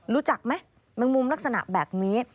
รู้จักไหมแมงมุมลักษณะแบบนี้